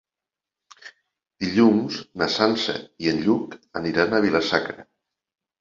Dilluns na Sança i en Lluc aniran a Vila-sacra.